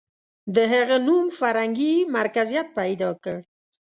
• د هغه نوم فرهنګي مرکزیت پیدا کړ.